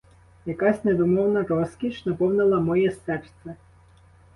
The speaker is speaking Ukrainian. Якась невимовна розкіш наповнила моє серце.